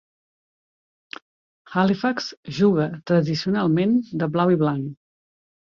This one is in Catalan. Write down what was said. Halifax juga tradicionalment de blau i blanc.